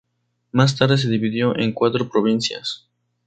Más tarde se dividió en cuatro provincias.